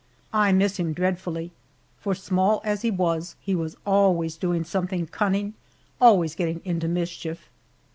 I miss him dreadfully, for, small as he was, he was always doing something cunning, always getting into mischief.